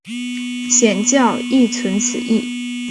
显教亦存此义。